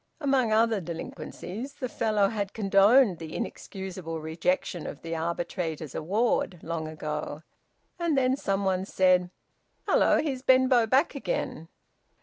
Among other delinquencies the fellow had condoned the inexcusable rejection of the arbitrators' award long ago. And then some one said: "Hello! Here's Benbow back again!"